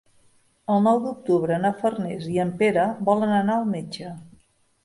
El nou d'octubre na Farners i en Pere volen anar al metge.